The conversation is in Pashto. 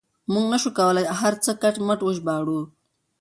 موږ نه شو کولای هر څه کټ مټ وژباړو.